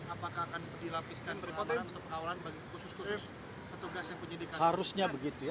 apakah akan dilapiskan berikutnya untuk pengawalan bagi khusus khusus petugas yang penyidikan